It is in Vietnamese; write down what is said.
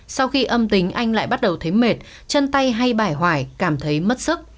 sau khi âm tính anh lại bắt đầu thấy mệt chân tay hay bải hoải cảm thấy mất sức